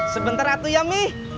sebentar atu ya mi